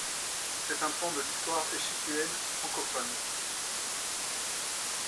C'est un pan de l'histoire échiquéenne francophone.